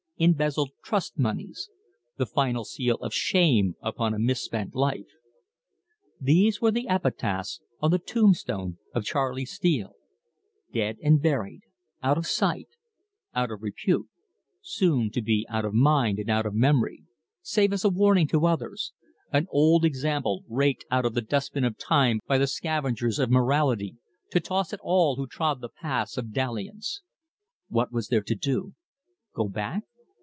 "embezzled trustmoneys..." "the final seal of shame upon a misspent life!" These were the epitaphs on the tombstone of Charley Steele; dead and buried, out of sight, out of repute, soon to be out of mind and out of memory, save as a warning to others an old example raked out of the dust bin of time by the scavengers of morality, to toss at all who trod the paths of dalliance. What was there to do? Go back?